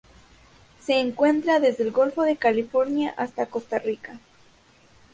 Se encuentra desde el Golfo de California hasta Costa Rica.